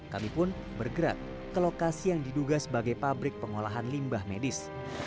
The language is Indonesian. kami pun bergerak ke lokasi yang diduga sebagai pabrik pengolahan limbah medis